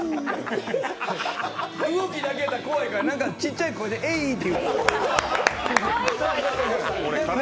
動きだけやと怖いからちっちゃい声で「エイ」って言ってる。